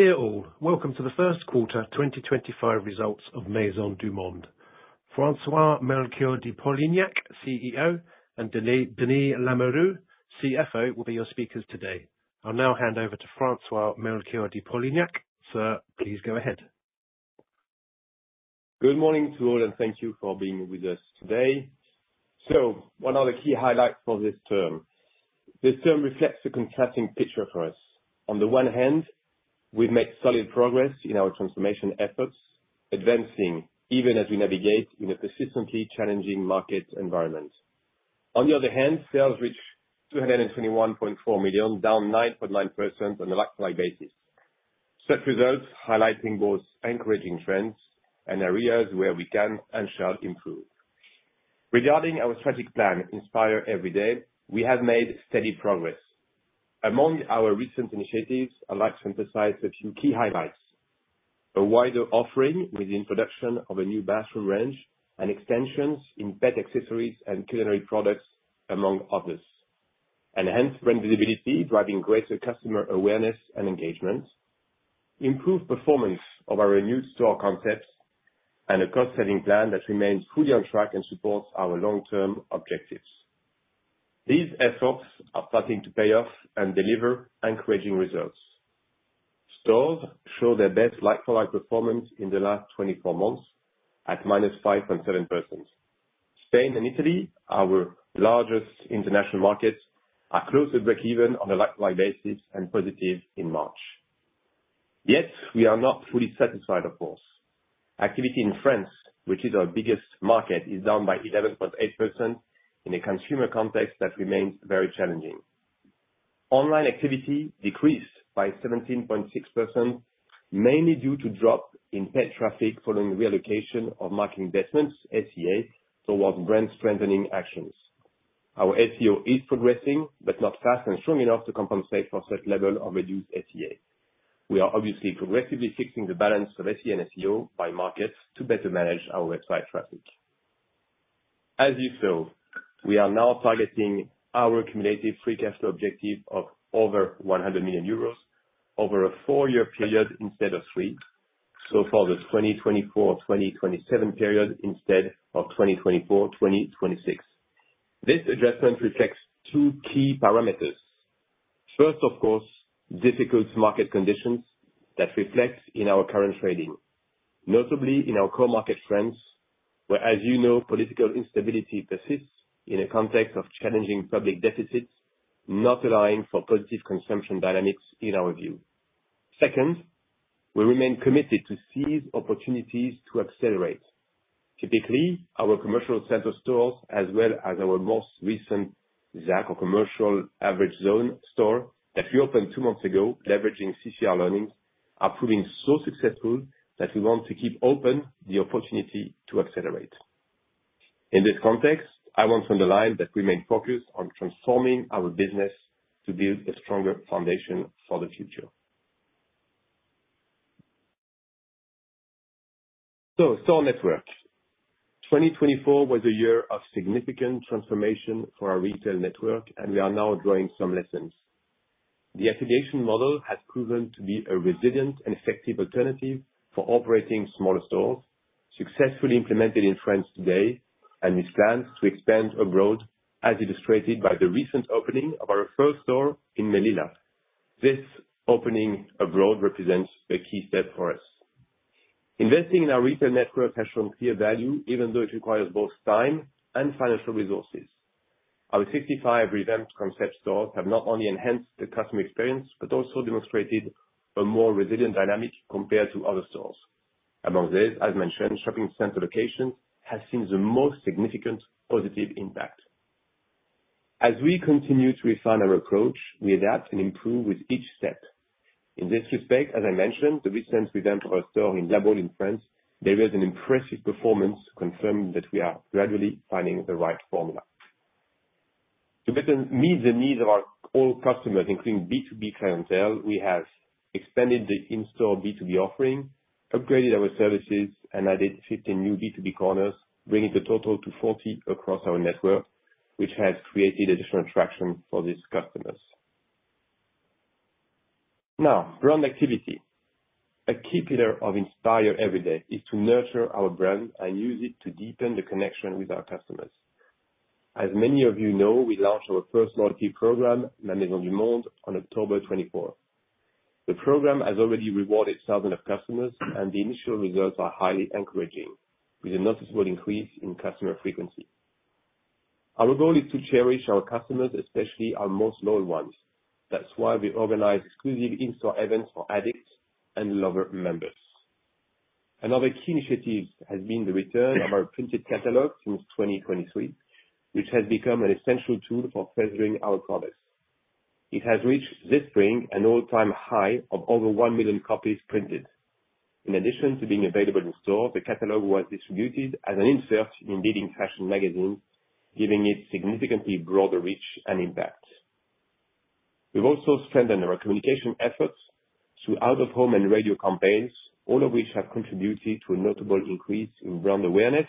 Dear all, welcome to the first quarter 2025 results of Maisons du Monde. François-Melchior de Polignac, CEO, and Denis Lamoureux, CFO, will be your speakers today. I'll now hand over to François-Melchior de Polignac. Sir, please go ahead. Good morning to all, and thank you for being with us today. So, one of the key highlights for this term. This term reflects a contrasting picture for us. On the one hand, we've made solid progress in our transformation efforts, advancing even as we navigate in a persistently challenging market environment. On the other hand, sales reached 221.4 million, down 9.9% on a like-for-like basis. Such results highlight both encouraging trends and areas where we can and shall improve. Regarding our strategic plan, Inspire Everyday, we have made steady progress. Among our recent initiatives, I'd like to emphasize a few key highlights: a wider offering with the introduction of a new bathroom range and extensions in pet accessories and culinary products, among others; enhanced brand visibility, driving greater customer awareness and engagement; improved performance of our new store concepts; and a cost-saving plan that remains fully on track and supports our long-term objectives. These efforts are starting to pay off and deliver encouraging results. Stores show their best like-for-like performance in the last 24 months, at -5.7%. Spain and Italy, our largest international markets, are close to break-even on a like-for-like basis and positive in March. Yet, we are not fully satisfied, of course. Activity in France, which is our biggest market, is down by 11.8% in a consumer context that remains very challenging. Online activity decreased by 17.6%, mainly due to a drop in pet traffic following relocation of market investments, SEA, towards brand-strengthening actions. Our SEO is progressing, but not fast and strong enough to compensate for such levels of reduced SEA. We are obviously progressively fixing the balance of SEA and SEO by market to better manage our website traffic. As you saw, we are now targeting our cumulative free cash flow objective of over 100 million euros, over a four-year period instead of three, so for the 2024-2027 period instead of 2024-2026. This adjustment reflects two key parameters. First, of course, difficult market conditions that reflect in our current trading, notably in our core market trends, where, as you know, political instability persists in a context of challenging public deficits not allowing for positive consumption dynamics, in our view. Second, we remain committed to seize opportunities to accelerate. Typically, our commercial center stores, as well as our most recent ZAC, or Commercial Average Zone store, that we opened two months ago, leveraging CCR learnings, are proving so successful that we want to keep open the opportunity to accelerate. In this context, I want to underline that we main focus on transforming our business to build a stronger foundation for the future. Store network, 2024 was a year of significant transformation for our retail network, and we are now drawing some lessons. The affiliation model has proven to be a resilient and effective alternative for operating smaller stores, successfully implemented in France today, and we plan to expand abroad, as illustrated by the recent opening of our first store in Melilla. This opening abroad represents a key step for us. Investing in our retail network has shown clear value, even though it requires both time and financial resources. Our 65 revamped concept stores have not only enhanced the customer experience but also demonstrated a more resilient dynamic compared to other stores. Among these, as mentioned, shopping center locations have seen the most significant positive impact. As we continue to refine our approach, we adapt and improve with each step. In this respect, as I mentioned, the recent revamp of our store in La Baule, in France, there is an impressive performance confirming that we are gradually finding the right formula. To better meet the needs of all our customers, including B2B clientele, we have expanded the in-store B2B offering, upgraded our services, and added 15 new B2B corners, bringing the total to 40 across our network, which has created additional traction for these customers. Now, brand activity. A key pillar of Inspire Everyday is to nurture our brand and use it to deepen the connection with our customers. As many of you know, we launched our first loyalty program, Ma Maison du Monde, on October 24. The program has already rewarded thousands of customers, and the initial results are highly encouraging, with a noticeable increase in customer frequency. Our goal is to cherish our customers, especially our most loyal ones. That is why we organize exclusive in-store events for addicts and lover members. Another key initiative has been the return of our printed catalog since 2023, which has become an essential tool for furthering our products. It has reached this spring an all-time high of over 1 million copies printed. In addition to being available in stores, the catalog was distributed as an insert in leading fashion magazines, giving it significantly broader reach and impact. We've also strengthened our communication efforts through out-of-home and radio campaigns, all of which have contributed to a notable increase in brand awareness,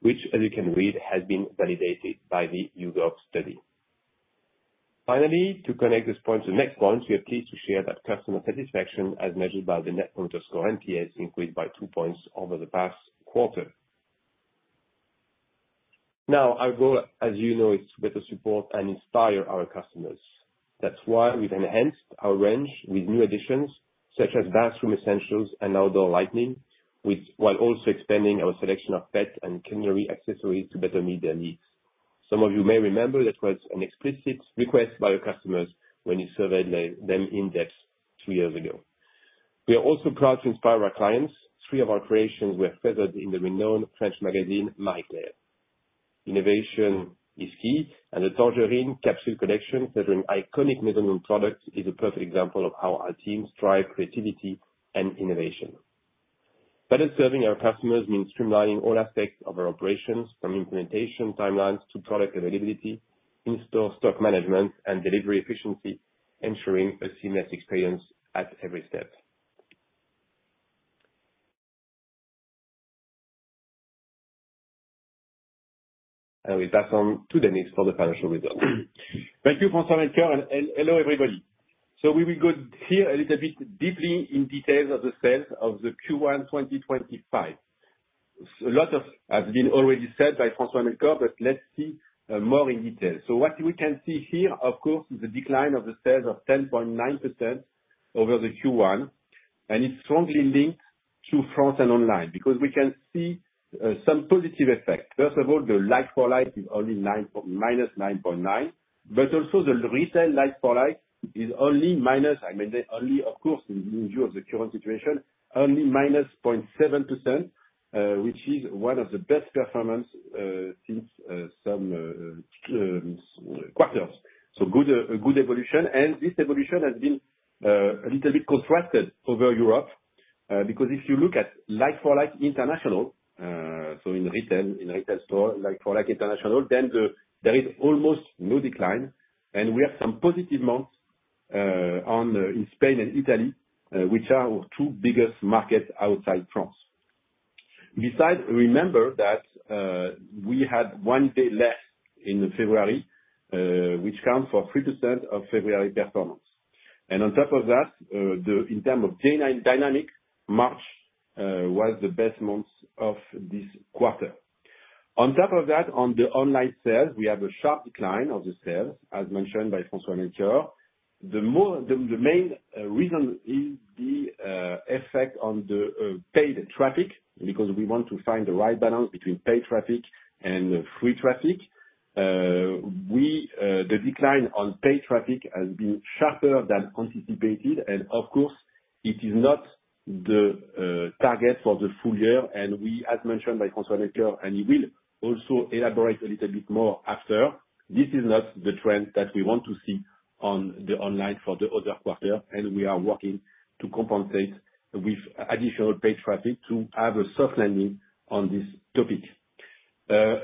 which, as you can read, has been validated by the YouGov study. Finally, to connect this point to the next point, we are pleased to share that customer satisfaction as measured by the Net Promoter Score (NPS) increased by two points over the past quarter. Now, our goal, as you know, is to better support and inspire our customers. That's why we've enhanced our range with new additions such as bathroom essentials and outdoor lighting, while also expanding our selection of pet and culinary accessories to better meet their needs. Some of you may remember that was an explicit request by our customers when we surveyed them in-depth two years ago. We are also proud to inspire our clients. Three of our creations were featured in the renowned French magazine Marie Claire. Innovation is key, and the Tangerine Capsule collection, featuring iconic Maisons du Monde products, is a perfect example of how our teams drive creativity and innovation. Better serving our customers means streamlining all aspects of our operations, from implementation timelines to product availability, in-store stock management, and delivery efficiency, ensuring a seamless experience at every step. We pass on to Denis for the financial results. Thank you, François-Melchior, and hello everybody. We will go here a little bit deeper in details of the sales of Q1 2025. A lot has been already said by François-Melchior, but let's see more in detail. What we can see here, of course, is a decline of the sales of 10.9% over the Q1, and it's strongly linked to France and online because we can see some positive effects. First of all, the like-for-like is only -9.9%, but also the retail like-for-like is only minus—I mean, only, of course, in view of the current situation—only -0.7%, which is one of the best performances since some quarters. Good evolution, and this evolution has been a little bit contrasted over Europe because if you look at like-for-like international, so in retail store, like-for-like international, then there is almost no decline, and we have some positive months in Spain and Italy, which are our two biggest markets outside France. We remember that we had one day less in February, which accounts for 3% of February performance. On top of that, in terms of day-night dynamic, March was the best month of this quarter. On top of that, on the online sales, we have a sharp decline of the sales, as mentioned by François-Melchior. The main reason is the effect on the paid traffic because we want to find the right balance between paid traffic and free traffic. The decline on paid traffic has been sharper than anticipated, and of course, it is not the target for the full year, and we, as mentioned by François-Melchior, and he will also elaborate a little bit more after, this is not the trend that we want to see on the online for the other quarter, and we are working to compensate with additional paid traffic to have a soft landing on this topic.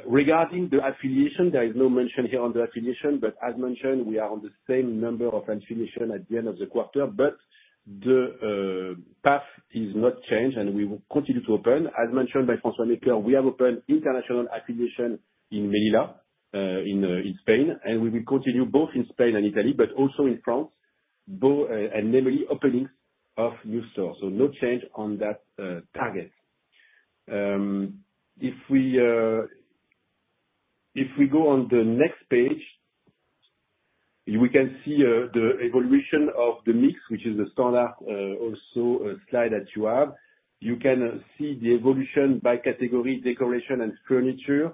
Regarding the affiliation, there is no mention here on the affiliation, but as mentioned, we are on the same number of affiliations at the end of the quarter, but the path is not changed, and we will continue to open. As mentioned by François-Melchior, we have opened international affiliation in Melilla, in Spain, and we will continue both in Spain and Italy, but also in France, and namely openings of new stores. No change on that target. If we go on the next page, we can see the evolution of the mix, which is the standard also slide that you have. You can see the evolution by category, decoration, and furniture,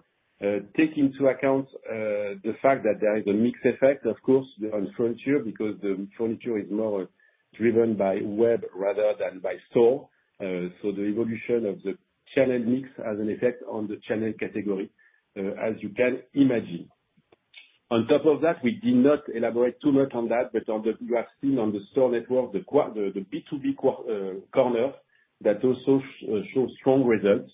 taking into account the fact that there is a mixed effect, of course, on furniture because the furniture is more driven by web rather than by store. The evolution of the channel mix has an effect on the channel category, as you can imagine. On top of that, we did not elaborate too much on that, but you have seen on the store network, the B2B corner that also shows strong results.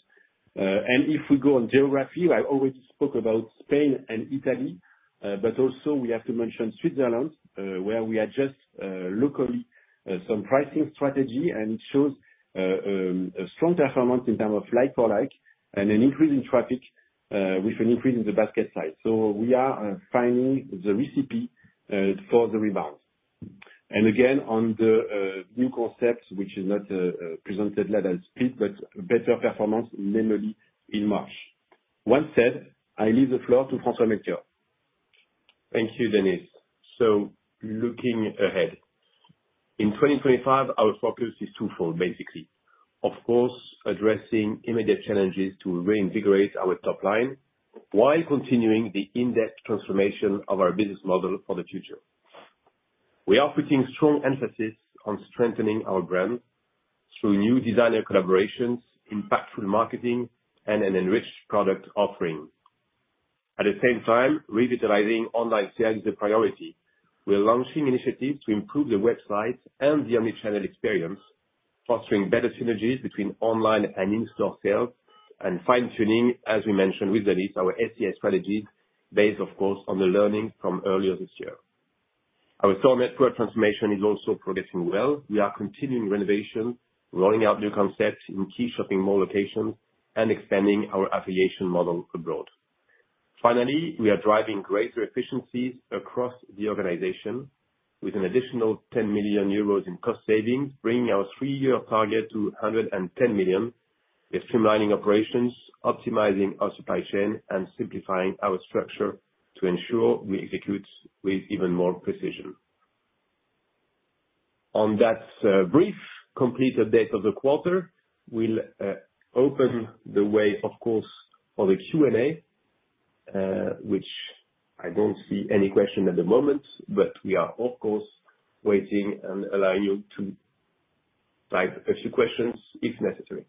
If we go on geography, I already spoke about Spain and Italy, but also we have to mention Switzerland, where we adjust locally some pricing strategy, and it shows a strong performance in terms of like-for-like and an increase in traffic with an increase in the basket size. We are finding the recipe for the rebound. Again, on the new concept, which is not presented later as split, but better performance, namely in March. Once said, I leave the floor to François-Melchior. Thank you, Denis. Looking ahead, in 2025, our focus is twofold, basically. Of course, addressing immediate challenges to reinvigorate our top line while continuing the in-depth transformation of our business model for the future. We are putting strong emphasis on strengthening our brand through new designer collaborations, impactful marketing, and an enriched product offering. At the same time, revitalizing online sales is a priority. We're launching initiatives to improve the website and the omnichannel experience, fostering better synergies between online and in-store sales, and fine-tuning, as we mentioned with Denis, our SEA strategies based, of course, on the learnings from earlier this year. Our store network transformation is also progressing well. We are continuing renovations, rolling out new concepts in key shopping mall locations, and expanding our affiliation model abroad. Finally, we are driving greater efficiencies across the organization with an additional 10 million euros in cost savings, bringing our three-year target to 110 million. We are streamlining operations, optimizing our supply chain, and simplifying our structure to ensure we execute with even more precision. On that brief complete update of the quarter, we'll open the way, of course, for the Q&A, which I don't see any question at the moment, but we are, of course, waiting and allowing you to type a few questions if necessary.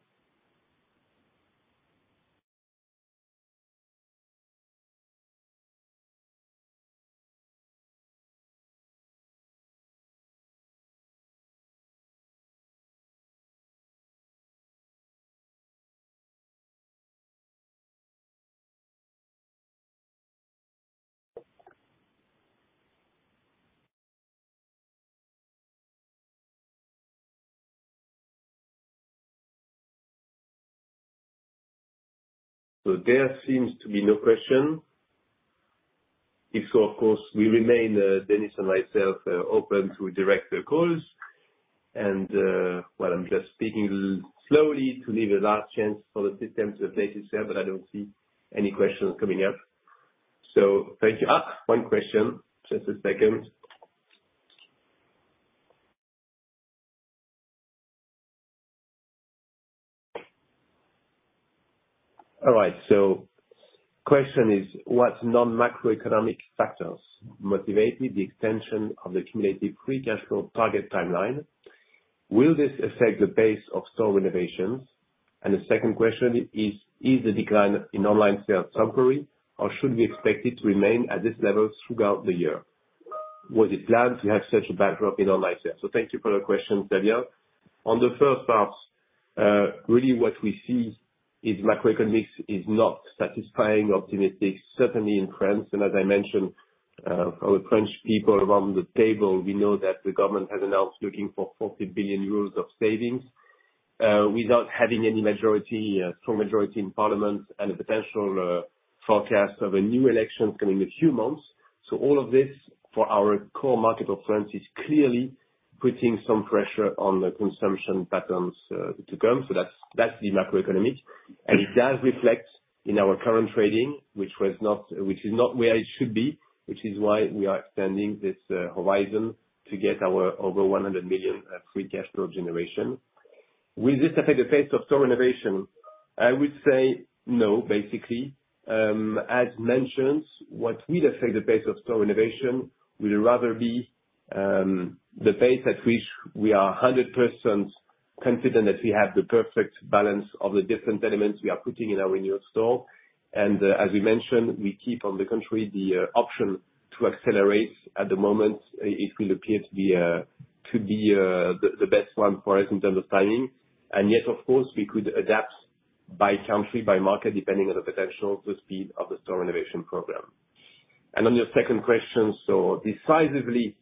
There seems to be no question. If so, of course, we remain, Denis and myself, open to direct calls. While I'm just speaking slowly to leave a last chance for the system to update itself, I don't see any questions coming up. Thank you. One question. Just a second. All right. The question is, what non-macroeconomic factors motivated the extension of the cumulative free cash flow target timeline? Will this affect the pace of store renovations? The second question is, is the decline in online sales temporary, or should we expect it to remain at this level throughout the year? Was it planned to have such a backdrop in online sales? Thank you for the question, Thilo. On the first part, really, what we see is macroeconomics is not satisfying optimistics, certainly in France. As I mentioned, our French people around the table, we know that the government has announced looking for 40 billion euros of savings without having any majority, a strong majority in Parliament, and a potential forecast of a new election coming in a few months. All of this, for our core market of France, is clearly putting some pressure on the consumption patterns to come. That is the macroeconomics. It does reflect in our current trading, which is not where it should be, which is why we are extending this horizon to get our over 100 million free cash flow generation. Will this affect the pace of store renovation? I would say no, basically. As mentioned, what will affect the pace of store renovation would rather be the pace at which we are 100% confident that we have the perfect balance of the different elements we are putting in our new store. As we mentioned, we keep, on the contrary, the option to accelerate at the moment. It will appear to be the best one for us in terms of timing. Yet, of course, we could adapt by country, by market, depending on the potential, the speed of the store renovation program. On your second question, decisively,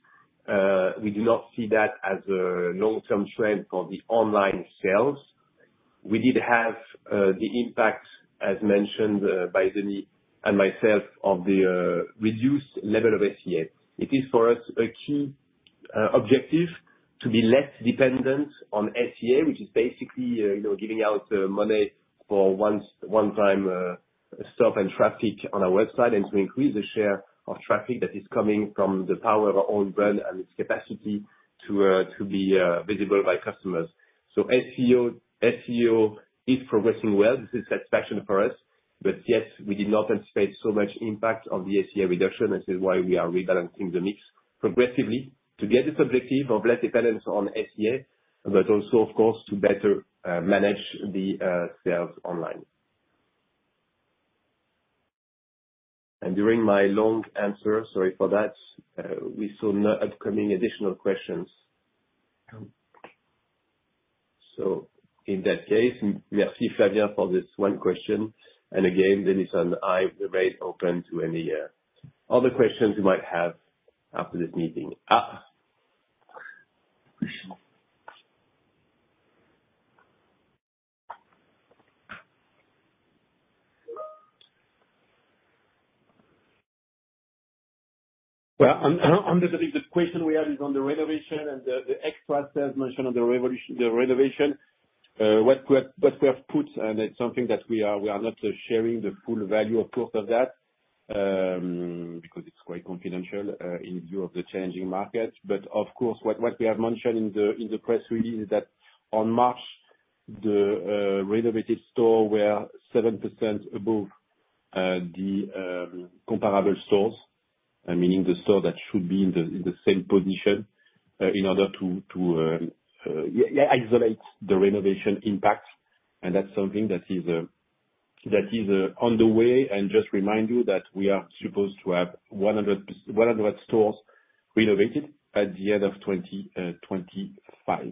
we do not see that as a long-term trend for the online sales. We did have the impact, as mentioned by Denis and myself, of the reduced level of SEA. It is, for us, a key objective to be less dependent on SEA, which is basically giving out money for one-time stock and traffic on our website and to increase the share of traffic that is coming from the power of our own brand and its capacity to be visible by customers. SEO is progressing well. This is satisfaction for us, but yet, we did not anticipate so much impact on the SEA reduction. This is why we are rebalancing the mix progressively to get this objective of less dependence on SEA, but also, of course, to better manage the sales online. During my long answer, sorry for that, we saw no upcoming additional questions. In that case, merci, Fabien, for this one question. Again, Denis and I remain open to any other questions you might have after this meeting. The question we have is on the renovation and the extra sales mentioned on the renovation. What we have put, and it is something that we are not sharing the full value of, of course, because it is quite confidential in view of the changing market. What we have mentioned in the press release is that in March, the renovated store was 7% above the comparable stores, meaning the store that should be in the same position in order to isolate the renovation impact. That is something that is on the way. Just remind you that we are supposed to have 100 stores renovated at the end of 2025.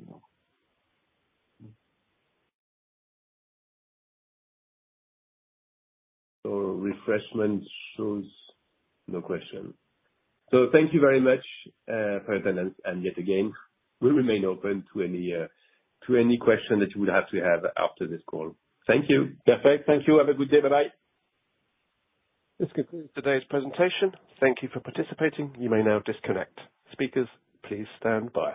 Refreshment shows no question. Thank you very much for your attendance. Yet again, we remain open to any question that you would have to have after this call. Thank you. Perfect. Thank you. Have a good day. Bye-bye. This concludes today's presentation. Thank you for participating. You may now disconnect. Speakers, please stand by.